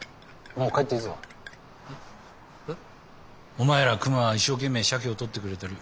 お前ら熊は一生懸命シャケを獲ってくれてる。